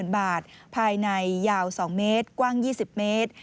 ๑บาทภายในยาว๒เมตรกว้าง๒๐เมตร